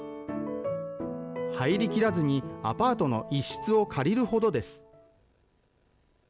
入りきらずにアパートの一室を借りるほどです。